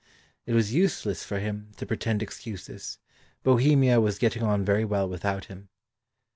It was useless for him to pretend excuses; Bohemia was getting on very well without him.